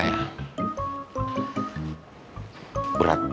berat banget ninggalin future wife and daughter